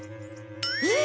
えっ！？